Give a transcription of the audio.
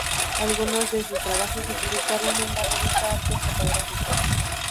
Algunos de sus trabajos se publicaron en la revista Arte Fotográfico.